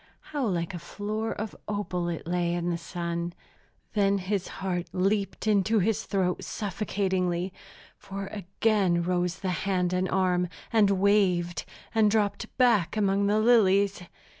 How like a floor of opal it lay in the sun; then his heart leaped into his throat suffocatingly, for again rose the hand and arm, and waved, and dropped back among the lilies!